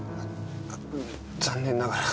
残念ながら。